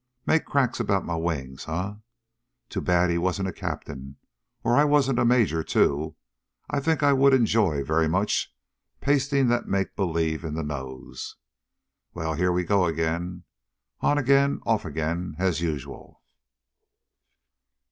Make cracks about my wings, huh? Too had he wasn't a captain, or I wasn't a major, too. I think I would enjoy very much pasting that make believe in the nose. Well, here we go again. On again, off again as usual!"